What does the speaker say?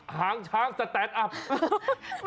หางช้างสแตนอัพ